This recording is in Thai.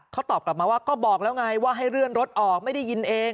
เขาตอบกลับมาว่าก็บอกแล้วไงว่าให้เลื่อนรถออกไม่ได้ยินเอง